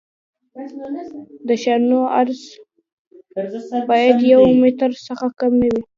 د شانو عرض باید د یو متر څخه کم نه وي